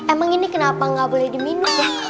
emang ini kenapa nggak boleh diminum